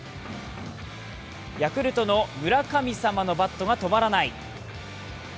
ヤクルトの村神様のバットが止まらない。